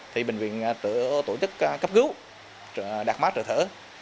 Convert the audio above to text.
thì bệnh viện tổ chức cấp cứu đạt mát trở thở